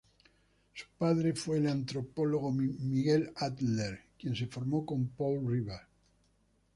Su padre fue el antropólogo Miguel Adler, quien se formó con Paul Rivet.